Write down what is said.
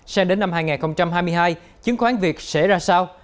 xem đến năm hai nghìn hai mươi hai chứng khoán việt sẽ ra sao